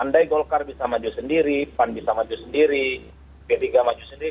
andai golkar bisa maju sendiri pan bisa maju sendiri p tiga maju sendiri